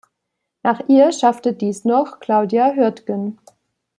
Nach ihr schaffte dies noch Claudia Hürtgen.